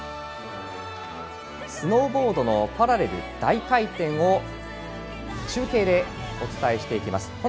スノーボードのパラレル大回転を中継でお伝えしていきます。